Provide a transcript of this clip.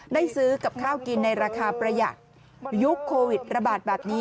ได้ซื้อกับข้าวกินในราคาประหยัดยุคโควิดระบาดแบบนี้